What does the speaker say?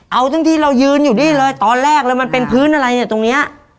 เอาทั้งที่เรายืนอยู่นี่เลยตอนแรกเลยมันเป็นพื้นอะไรเนี่ยตรงเนี้ย